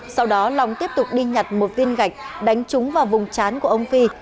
sau đó long tiếp tục đi nhặt một viên gạch đánh trúng vào vùng chán của ông phi